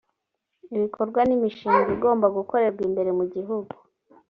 ibikorwa n imishinga igomba gukorerwa imbere mu gihugu